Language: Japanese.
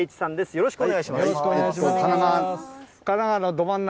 よろしくお願いします。